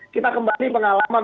kita kembali pengalaman